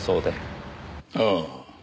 ああ。